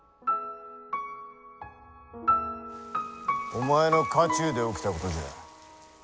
お前の家中で起きたことじゃ。